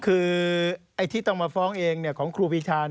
คือไอ้ที่ต้องมาฟ้องเองของครูปีชา